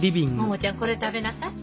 桃ちゃんこれ食べなさい。